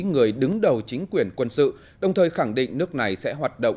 người đứng đầu chính quyền quân sự đồng thời khẳng định nước này sẽ hoạt động